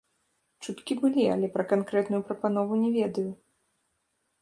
Чуткі былі, але пра канкрэтную прапанову не ведаю.